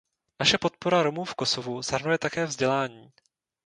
Naše podpora Romů v Kosovu zahrnuje také vzdělání.